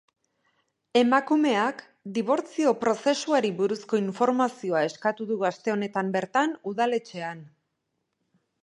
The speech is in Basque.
Emakumeak dibortzio prozesuari buruzko informazioa eskatu du aste honetan bertan udaletxean.